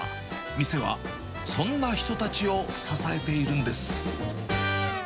店は、そんな人たちを支えているんです。